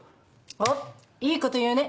おっいいこと言うね